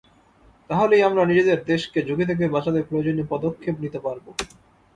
তাহলেই আমরা নিজেদের দেশকে ঝুঁকি থেকে বাঁচাতে প্রয়োজনীয় পদক্ষেপ নিতে পারব।